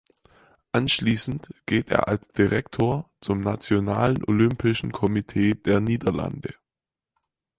Anschließend geht er als Direktor zum Nationalen Olympischen Komitee der Niederlande.